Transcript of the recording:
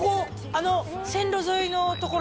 あの線路沿いのところ？